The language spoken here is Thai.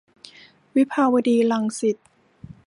วิภาวดี-รังสิต